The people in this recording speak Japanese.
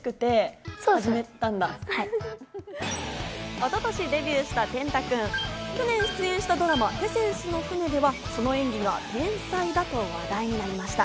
一昨年デビューした天嵩君、去年出演したドラマ『テセウスの船』ではその演技が天才だと話題になりました。